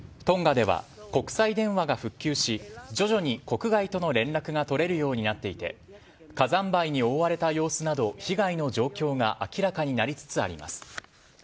トンガでは国際電話が復旧し徐々に国外との連絡が取れるようになっていて火山灰に覆われた様子など被害の状況が明らかになりつつあります。